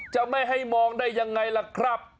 จะไม่ให้มองได้ยังไงล่ะครับ